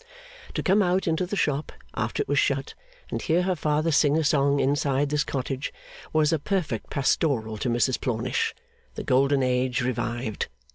To come out into the shop after it was shut, and hear her father sing a song inside this cottage, was a perfect Pastoral to Mrs Plornish, the Golden Age revived.